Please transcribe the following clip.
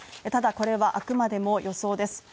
ただこれはあくまでも予想です